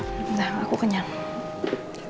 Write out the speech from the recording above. masa nyopin gitu aja tumpah tumpah sih